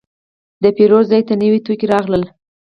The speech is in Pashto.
د پیرود ځای ته نوي توکي راغلل.